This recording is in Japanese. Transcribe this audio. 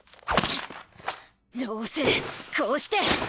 どうせこうして！